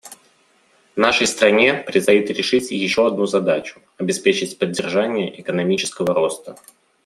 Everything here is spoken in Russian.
Нашей стране предстоит решить еще одну задачу — обеспечить поддержание экономического роста.